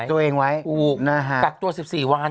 กักตัวเองไว้ถูกกักตัว๑๔วัน